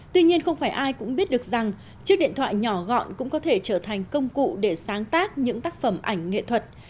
tuy nhiên không phải ai cũng biết được rằng chiếc điện thoại nhỏ gọn cũng có thể trở thành công cụ để sáng tác những tác phẩm ảnh nghệ thuật